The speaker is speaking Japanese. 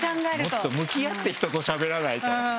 もっと向き合って人としゃべらないと。